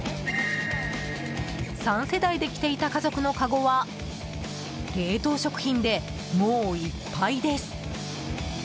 ３世代で来ていた家族のかごは冷凍食品でもういっぱいです。